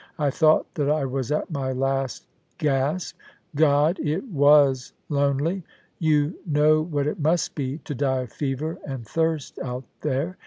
I thought that I was at my last gasp. God ! it was lonely ! You know what it must be — ^to die of fever and thirst out there.